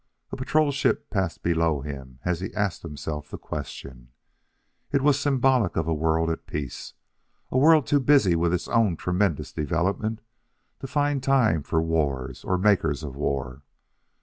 A patrol ship passed below him as he asked himself the question. It was symbolic of a world at peace; a world too busy with its own tremendous development to find time for wars or makers of war.